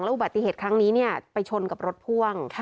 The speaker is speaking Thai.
อุบัติเหตุครั้งนี้ไปชนกับรถพ่วง